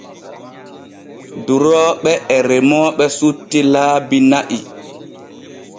Durooɓe e remooɓe sutti laabi na'i.